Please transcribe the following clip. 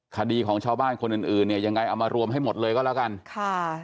คดีของชาวบ้านคนอื่นอื่นเนี่ยยังไงเอามารวมให้หมดเลยก็แล้วกันค่ะ